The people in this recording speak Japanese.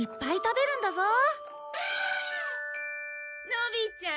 のびちゃん